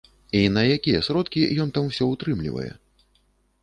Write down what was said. І на якія сродкі ён там усё ўтрымлівае?